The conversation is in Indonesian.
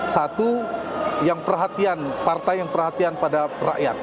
satu yang perhatian partai yang perhatian pada rakyat